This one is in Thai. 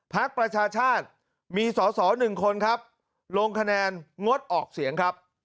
พักประชาชาติมีสอสอหนึ่งคนครับลงคะแนนงดออกเสียงครับ